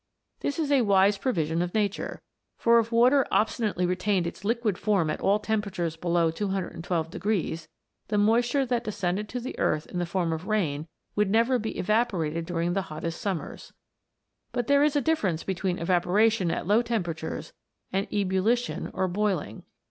This is a wise provision of nature, for if water obstinately retained its liquid form at all temperatures below 212, the moistui'e that descended to the earth in the form of rain would never be evaporated during the hottest summers. But there is a difference between eva poration at low temperatures and ebullition or boiling.